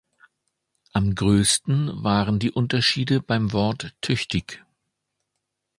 Am größten waren die Unterschiede beim Wort „tüchtig“.